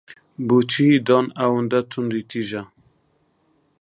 بۆچی دان ئەوەندە توندوتیژە؟